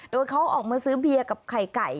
โดยเขาออกมาซื้อเบียร์กับไข่ไก่